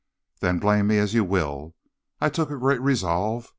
"Then blame me as you will, I took a great resolve.